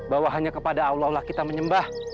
bahwa hanya kepada allah allah kita menyembah